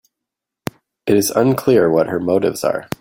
It is unclear what her motives are.